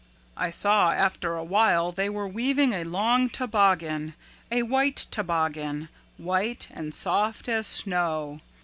I saw after a while they were weaving a long toboggan, a white toboggan, white and soft as snow.